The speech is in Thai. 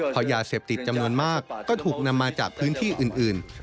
เพราะยาเสพติดจำนวนมากก็ถูกนำมาจากพื้นที่อื่น